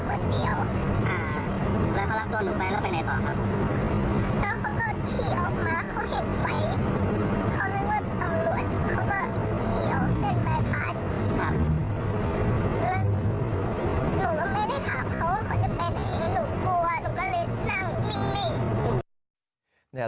หนูกลัวหนูก็เลยสั่ง